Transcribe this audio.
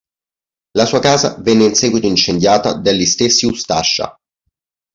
La sua casa venne in seguito incendiata dagli stessi Ustascia.